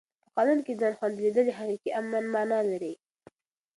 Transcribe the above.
په قانون کې ځان خوندي لیدل د حقیقي امن مانا لري.